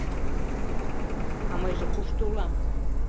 А мыйже кушто улам?